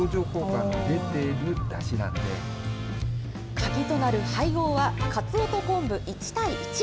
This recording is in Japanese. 鍵となる配合は、かつおと昆布、１対１。